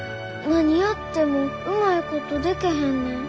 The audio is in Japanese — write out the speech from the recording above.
何やってもうまいことでけへんねん。